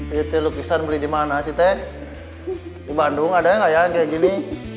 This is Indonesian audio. itu lukisan beli di mana sih teh di bandung ada kayak gini